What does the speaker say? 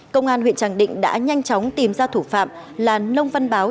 công an huyện tràng định đã nhanh chóng tìm ra thủ phạm là nông văn báo